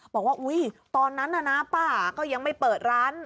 บอกว่าอุ๊ยตอนนั้นน่ะนะป้าก็ยังไม่เปิดร้าน